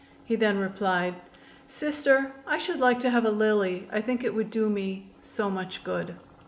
He then replied: "Sister, I should like to have a lily. I think it would do me so much good."